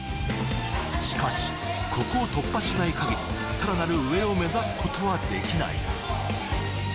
しかしここを突破しない限りさらなる上を目指すことはできない